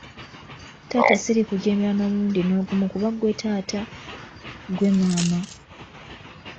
Taata sirikujeemera n’omulundi n’ogumu kuba ggwe taata, ggwe maama.